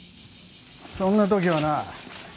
そんな時はな